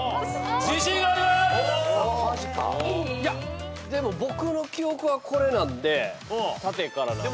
いやでも僕の記憶はこれなんで縦から。